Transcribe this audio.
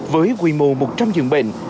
với quy mô một trăm linh dưỡng bệnh